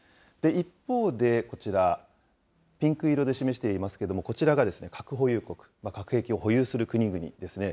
一方で、こちら、ピンク色で示していますけれども、こちらが核保有国、核兵器を保有する国々ですね。